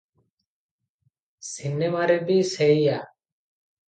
ସିନେମାରେ ବି ସେଇଆ ।